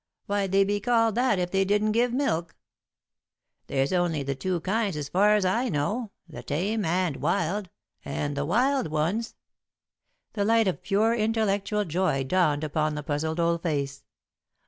Why'd they be called that if they didn't give milk? There's only the two kinds as far as I know the tame and wild, and the wild ones " The light of pure intellectual joy dawned upon the puzzled old face.